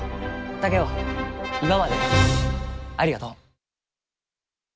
竹雄今までありがとう。